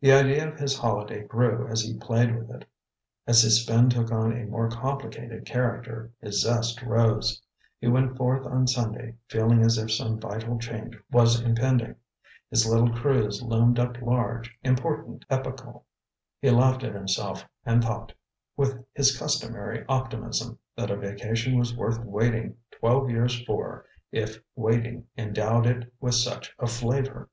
The idea of his holiday grew as he played with it. As his spin took on a more complicated character, his zest rose. He went forth on Sunday feeling as if some vital change was impending. His little cruise loomed up large, important, epochal. He laughed at himself and thought, with his customary optimism, that a vacation was worth waiting twelve years for, if waiting endowed it with such a flavor.